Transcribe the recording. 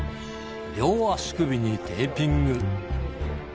両足首にテーピング。